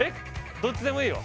どっちでもいいよ